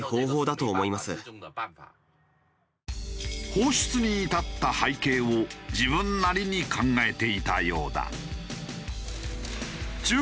放出に至った背景を自分なりに考えていたようだ。